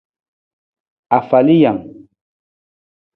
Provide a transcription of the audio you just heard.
Afalijang.